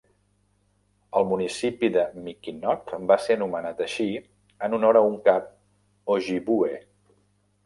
El municipi de Mickinock va ser anomenat així en honor a un cap ojibwe.